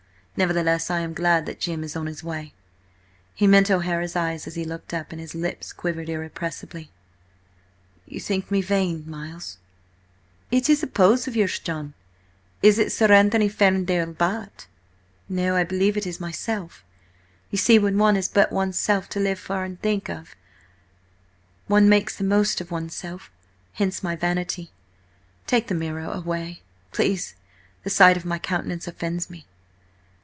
Nevertheless, I am glad that Jim is on his way." He met O'Hara's eyes as he looked up, and his lips quivered irrepressibly. "You think me very vain, Miles?" "Is it a pose of yours, John? Is it Sir Anthony Ferndale, Bart.?" "No. I believe it is myself. You see, when one has but one's self to live for and think for–one makes the most of one's self! Hence my vanity. Take the mirror away, please–the sight of my countenance offends me!"